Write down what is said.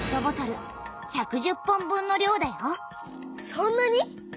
そんなに？